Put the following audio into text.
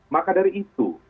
maka dari itu